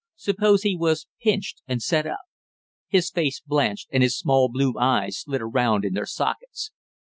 Suppose he was pinched and sent up. His face blanched and his small blue eyes slid around in their sockets.